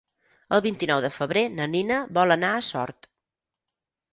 El vint-i-nou de febrer na Nina vol anar a Sort.